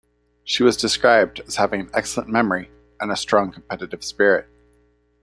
She was described as having had an excellent memory, and a strong competitive spirit.